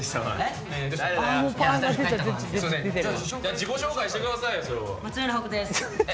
自己紹介してくださいよ。